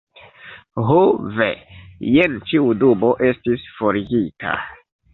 Ho ve, jen ĉiu dubo estis forigita.